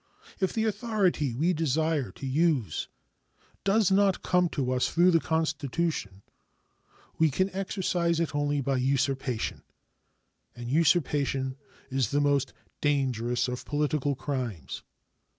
If the authority we desire to use does not come to us through the Constitution, we can exercise it only by usurpation, and usurpation is the most dangerous of political crimes.